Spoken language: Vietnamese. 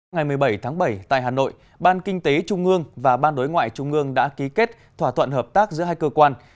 ngày một mươi bảy tháng bảy tại hà nội ban kinh tế trung ương và ban đối ngoại trung ương đã ký kết thỏa thuận hợp tác giữa hai cơ quan